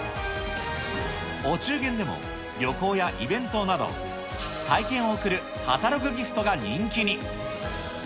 お中元でも旅行やイベントなど、体験を贈るカタログギフトが人気に。